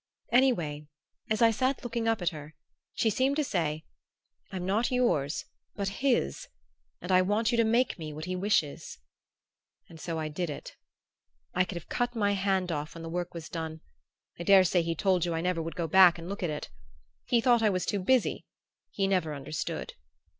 Anyhow, as I sat looking up at her, she seemed to say, 'I'm not yours but his, and I want you to make me what he wishes." And so I did it. I could have cut my hand off when the work was done I daresay he told you I never would go back and look at it. He thought I was too busy he never understood....